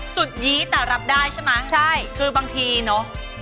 สุดยี๋แต่รับได้ใช่ไหมคือบางทีเนอะใช่